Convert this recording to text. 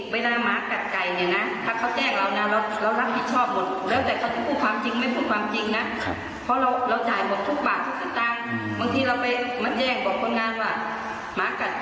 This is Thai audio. ๒บาทไม่ได้ว่างแล้วข้าเอาไหมครับข้าเอาตังค์เอาค่ะ